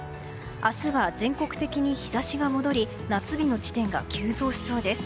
明日は全国的に日差しが戻り夏日の地点が急増しそうです。